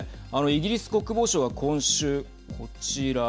イギリス国防省は今週こちら。